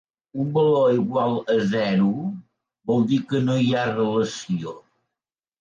Un valor igual a zero vol dir que no hi ha relació.